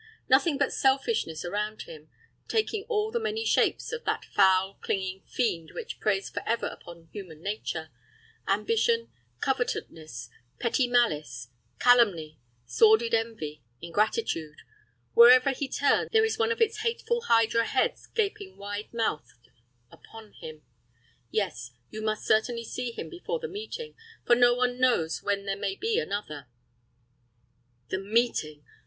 Nothing but selfishness around him, taking all the many shapes of that foul, clinging fiend which preys forever upon human nature ambition, covetousness, petty malice, calumny, sordid envy, ingratitude wherever he turns, there is one of its hateful Hydra heads gaping wide mouthed upon him. Yes, you must certainly see him before the meeting, for no one knows when there may be another The meeting!